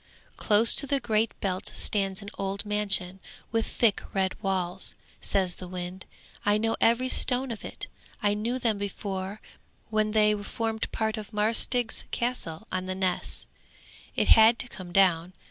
'Close to the Great Belt stands an old mansion with thick red walls,' says the wind. 'I know every stone of it; I knew them before when they formed part of Marsk Stig's Castle on the Ness. It had to come down.